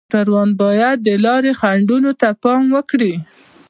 موټروان باید د لارې خنډونو ته پام وکړي.